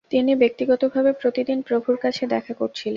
তিনি ব্যক্তিগতভাবে প্রতিদিন প্রভুর কাছে দেখা করছিলেন।